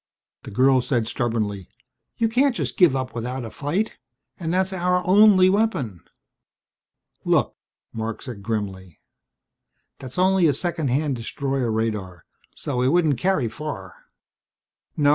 The girl said stubbornly, "You can't just give up without a fight. And that's our only weapon." "Look," Marc said grimly, "that's only a second hand destroyer radar, so it wouldn't carry far. No.